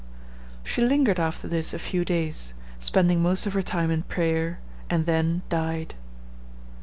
She lingered after this a few days, spending most of her time in prayer, and then died.